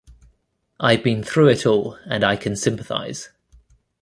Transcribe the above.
I've been through it all, and I can sympathize.